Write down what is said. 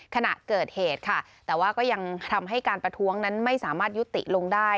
ขณะเกิดเหตุค่ะแต่ว่าก็ยังทำให้การประท้วงนั้นไม่สามารถยุติลงได้